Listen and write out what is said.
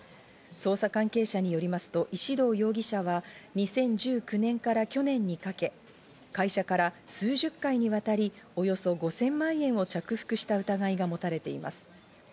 捜査関係者によりますと石動容疑者は２０１９年から去年にかけ、会社から数十回にわたりおよそ５０００万円を着服した疑いが持たれています。